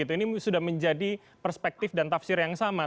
ini sudah menjadi perspektif dan tafsir yang sama